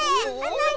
なに？